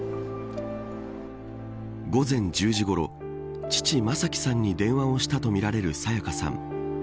午前１０時ごろ父、正輝さんに電話をしたとみられる沙也加さん。